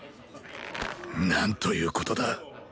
何ということだ。